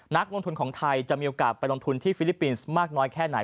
นักลงทุนของไทยจะมีโอกาสไปลงทุนที่ฟิลิปปินส์มากน้อยแค่ไหน